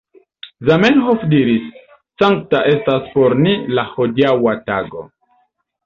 Zamenhof diris: ""Sankta estas por ni la hodiaŭa tago.